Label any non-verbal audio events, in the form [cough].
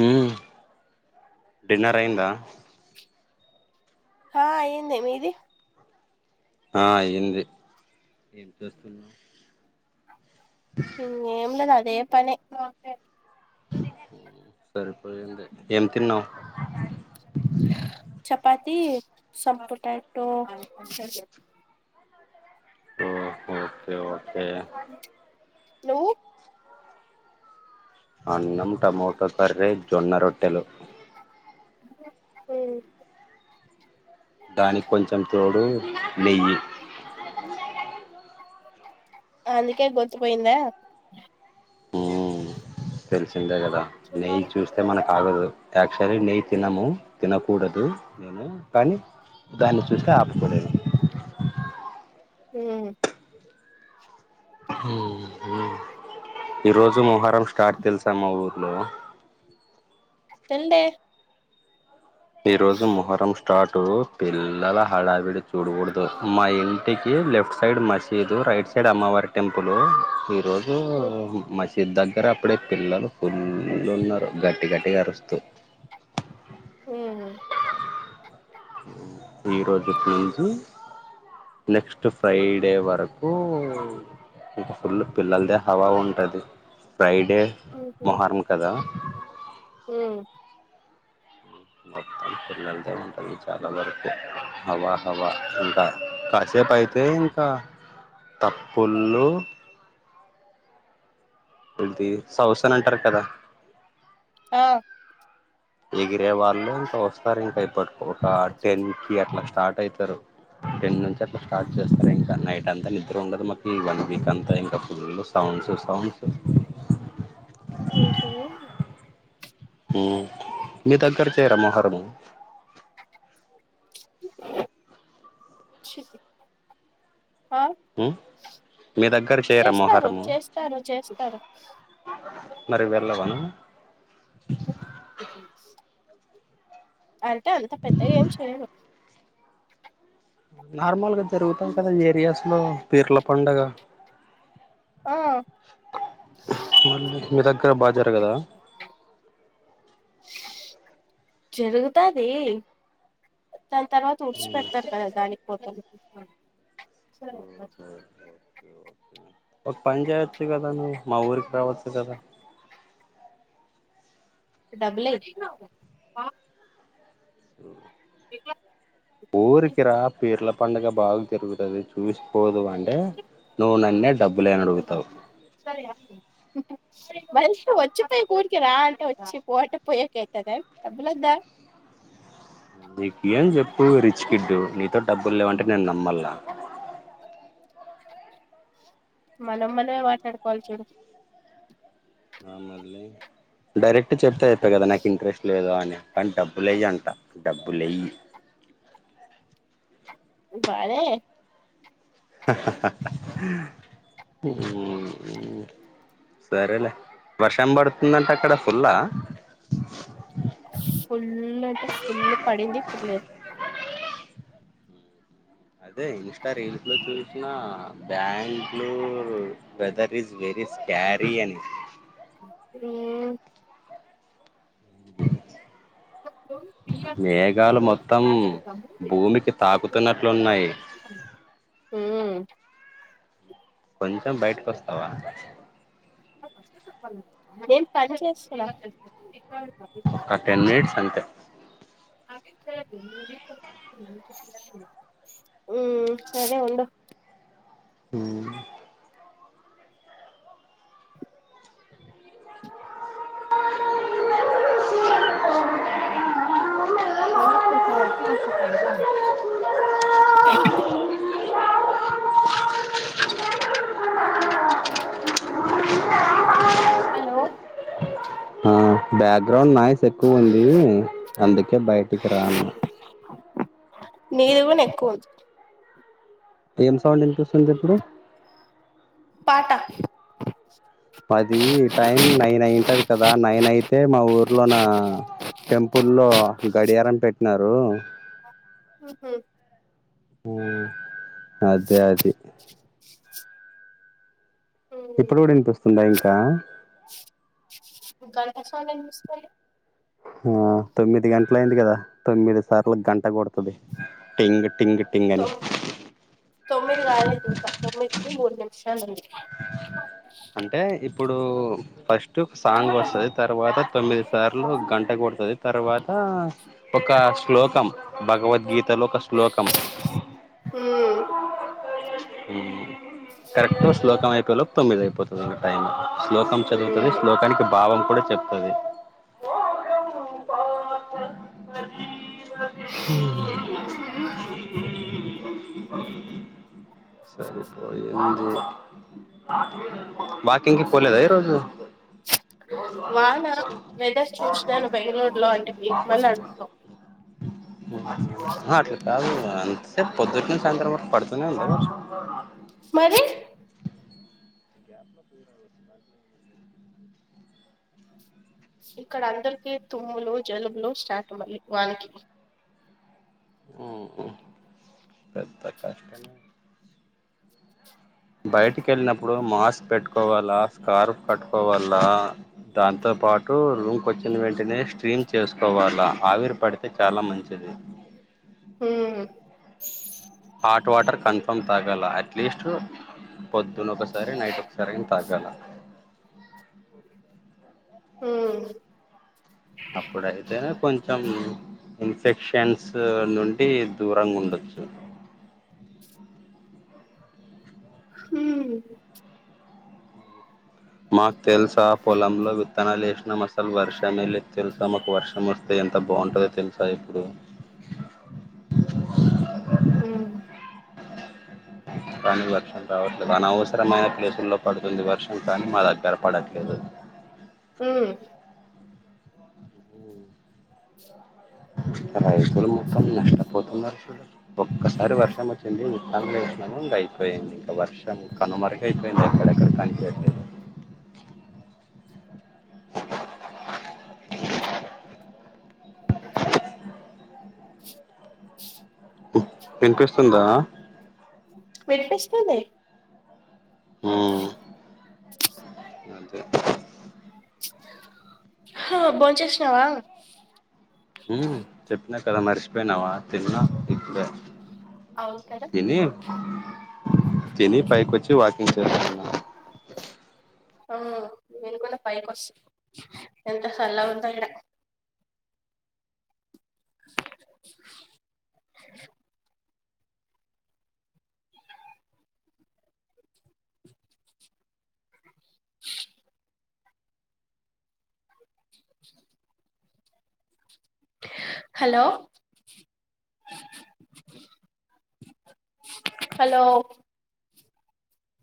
మ్ dinner అయిందా హా అయిందా మీది ఆ అయింది ఏం చేస్తున్నవ్ ఇంగేం లేదు అదే పని ఊ సరిపోయింది ఏం తిన్నావ్. Chapati some potato. ఓ ఓకే ఓకే ఓకే నువ్వు అన్నం టమోటో కర్రీ జొన్న రొట్టెలు. ఓకే దానికి కొంచెం తోడూ నెయ్యి అందుకే గొంతు పొయిందా ఊమ్ తెలిసిందే గదా నెయ్యి చూస్తే మనక్ ఆగదు. యాక్చువలి నెయ్యి తినము తినకూడదు మే ము కాని దాన్ని చూస్తే ఆపుకోలేను. ఊ ఊహు ఈ రోజు మొహరం స్టార్ట్ తెలుసా మా ఊర్లో. తెల్దే ఈ రోజు మొహరం ష్ స్టార్టు పిల్లల హడావిడి చూడకూడదు మా ఇంటికి లెఫ్ట్ సైడ్ మసీదు రైట్ స్ సైడ్ అమ్మవారి టెంపులు ఈ రోజ్ జూ మసీద్ దగ్గరా అప్పుడే పిల్లలు ఫుల్లుగ ఉన్నరు గట్టి గట్టిగా అరుస్తు. ఊహు ఈరోజు ప్లీజు నెక్స్ట్ ఫ్రైడే వరకూ ఇటు ఫుల్లు పిల్లల్దే హవా ఉంటది ఫ్రైడే మొహరం కదా. హ్ము మొత్తం పిల్లల్ దే ఉంటది చాలా వరకు హవా హవా అంతా కాసేపై. తే ఇంకా తప్పుల్లు కుల్దీర్ సౌసాన్ అంటారు కదా. ఆ ఎగిరే వాళ్ళు ఇంకా వస్తారు ఇంకా ఇప్పట్ ఒకా టెన్. కీ అట్ల స్టార్ట్ అయితరు టెన్ నుంచి అట్ల స్టార్ట్ చేస్తారు ఇంకా నైట్ అంతా నిద్ నిద్ర ఉండదు మాకి వన్ వీక్ అంతా ఇంకా ఫుల్లు సౌండ్సు సౌండ్సు. అయితే ఊ మీ దగ్గర చేయరా మొహరము. చి ఆ మీ దగ్గర చేయరా చేస్తారు మొహరము చేస్తారు చేస్తారు. మరి వెళ్ళవా నువ్వు అంటే అంత పెద్దగా ఏం చెయను. నార్మల్గా జరుగుతాది కదా ఈ ఏరియాస్ లో పీర్ల పండగా. ఆ మళ్ళి మీ దగ్గర బాగ జరగదా. జరుగుతాదీ దాని తర్వాత ఊడ్చి పెడతారు కదా దానిక్ పోతాం. ఒక పనిచేయొచ్చు గదా నువ్వు మా ఊరికి రావచ్చు గదా. డబ్బులే అడిగినావు నువ్ అ [unintelligible] ఊరికి రా పీర్ల పండగ బాగ జరుగుతది చూసిపోదు గాని అంటే నువ్వు నన్నే డబ్బు లేయి అని అడుగుతవు సరే మరి వచ్చిపోయి [unintelligible] కూడికి రా అంటె వచ్చి పో అంటే పోయేకి అయితదా డబ్బులొద్దా నీకి ఇయి అని చెప్పు రిచ్ కిడ్డు నీతో డబ్బులు లేవంటే నేను నమ్మల్లా మనం మనమే మాట్లాడుకోవాలి చూడు మళ్లి డైరెక్ట్ చెప్తే ఐపాయే కదా నాకు ఇంట్రెస్ట్ లేదు అని కానీ డబ్బు లేయి అంట డబ్బులెయ్యి బానే [unintelligible] సరేలే వర్షం పడుతుందంట అక్కడ ఫుల్లా ఫుల్ అంటే ఫుల్లు పడింది ఇప్పుడు లేదు అదే ఇన్స్టా రీల్స్ లో చూసిన బ్యాంట్లు వెదర్ ఇస్ వెరీ క్యారియన్ ఉ మేఘాలు మొత్తం భూమికి తాకుతున్నట్లున్నయి ఉమ్ కొంచెం బయటకి వస్తవా నేను పని చేస్తున్నా ఒక టెన్ మినిట్స్ అంతే ఉమ్ సరే ఉండు ఉమ్ [inaudible] హలో ఆ బ్యాక్గ్రౌండ్ నాయిస్ ఎక్కువుంది అందుకే బయటికి రా అన్న మీదు కూడా ఎక్కువుంది ఏం సౌండ్ వినిపీ పాట పది టైం నైన్ అయింటది కదా నైన్ అయితే మా ఊర్లో నా టెంపుల్లో గడియారం పెట్టినారు హూ హమ్ ఉం అదే అది ఇప్పుడు కూడా వినిపిస్తుందా ఇంకా గంట సౌండ్ వినిపిస్థలే ఆ తొమ్మిది గంటలు అయింది కదా తొమ్మిది సార్లు గంట కొడుతది టింగ్ టింగ్ టింగ్ తొ అని తొమ్మిది కాలేదు ఇంకా తొమ్మిదికిి మూడు నిమిషాలు ఉంది అంటే ఇప్పుడు ఫస్ట్ సాంగ్ వస్తది తర్వాత తొమ్మిది సార్లు గంట కొడుతుది తర్వాత ఒక శ్లోకం భగవతగిత లో ఒక శ్లోకం ఉమ్ కరెక్ట్ శ్లోకం అయిపోయలోపు తొమ్మిది అయిపోతుంది ఇంకా టైమ్ శ్లోకం చదువుతది శ్లోకానికి భావం కూడా చెప్తది మ్మ్ సరిపోయింది వాకింగ్ కి పోలేదా ఈ రోజు వాన వెదర్ చూసినాను బెంగళూరు లో అంటివి మళ్ళీ అడుగుతావ్ అట్లా కాదు అంతే పొద్దుటి నుంచి సాయంత్రం వరకు పడుతునే ఉంది వర్షం మరి ఇక్కడ అందరికి తుమ్ములు జలుములు స్టార్ట్ మళ్ళీ వానాకి ఉమ్ పెద్ద కష్టమే బయటికి వెళ్ళినప్పుడు మాస్క్ పెట్టుకోవాలా స్కార్ఫ్ కట్టుకోవాల్ల దాంతో పాటు రూమ్ కి వచ్చిన వెంటనే స్ట్రీమ్ చేసుకోవాలా ఆవిరి పడితే చాలా మంచిది ఉమ్ హాట్ వాటర్ కన్ఫర్మ్ తగల అట్లెస్ట్ పొద్దున్న ఒకసారి నైట్ ఒకసారి అయిన తాగాల హ్మ్మ్ అప్పుడైతేనే కొంచెం ఇన్ఫెక్షన్స్ నుండి దూరంగా ఉండొచ్చు ఉమ్ మాకు తెలుసా పొలంలో విత్తనాలు వేసినాం అసలు వర్షమే లేదు తెలుసా మాకు వర్షం వస్తే ఎంత ఎంత బావుంటాదో తెలుసా ఇప్పుడు ఉమ్ కానీ వర్షం రావట్లేదు అనవసరమైన ప్లేసుల్లో పడుతుంది వర్షం కానీ మా దగ్గర పడట్లేదు ఉమ్ రైతులు మొత్తం నష్టపోతున్నారు చూడ ఒక్కసారి వర్షం వచ్చింది విత్తనాలు వేసినాం ఇంకా అయిపోయింది ఇంగా వర్షం కనుమరుగు అపోయింది వినిపిస్తుందా వినిపిస్తుంది అంతే హా బోన్ చేసినవా ఉమ్ చెప్పినా కదా మరిచిపోయినావా తిన్నా ఇప్పుడే అవును కదా తిని తిని పైకి వచ్చి వాకింగ్ చేస్తా ఆ నన్ కూడాన పైకి వస్త ఎంత సల్లగా ఉందో ఇడా హలో హలో